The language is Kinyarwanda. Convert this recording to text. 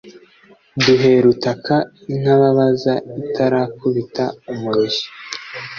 duherutaka intababaza itarakubita umurushyo